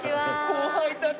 後輩たち。